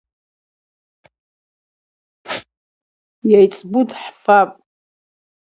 Йайцӏбу дхӏфапӏ.